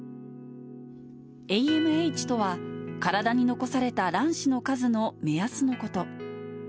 ＡＭＨとは、体に残された卵子の数の目安のこと。